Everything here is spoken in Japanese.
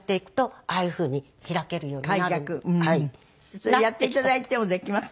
それやって頂いてもできます？